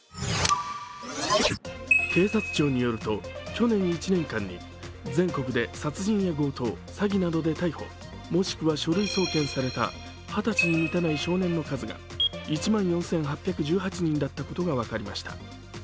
警察庁によると去年１年間に全国で殺人や強盗、詐欺などで逮捕、もしくは書類送検された２０歳に満たない少年の数が１万４８１８人だったことが分かりました。